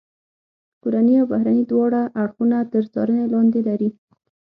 کورني او بهرني دواړه اړخونه تر څارنې لاندې لري.